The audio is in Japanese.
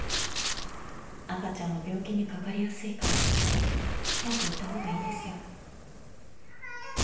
赤ちゃんは病気にかかりやすいから早く行った方がいいですよ。